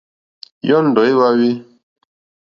Yɔ́ndɔ̀ é wáwî.